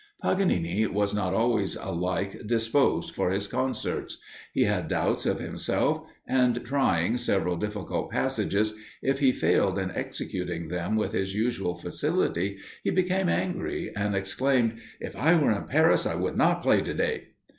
Paganini was not always alike disposed for his concerts. He had doubts of himself; and, trying several difficult passages, if he failed in executing them with his usual facility, he became angry, and exclaimed, "If I were in Paris, I would not play to day."